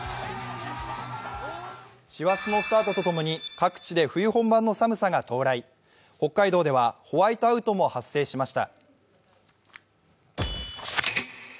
師走のスタートとともに各地で冬本番の寒さが始まり北海道ではホワイトアウトも発生しました。